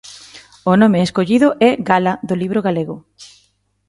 O nome escollido é Gala do Libro Galego.